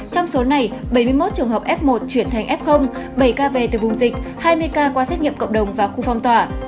trong số này bảy mươi một trường hợp f một chuyển thành f bảy ca về từ vùng dịch hai mươi ca qua xét nghiệm cộng đồng và khu phong tỏa